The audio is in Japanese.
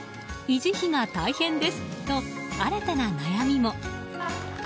維持費が大変ですと新たな悩みも。